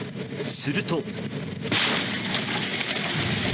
すると。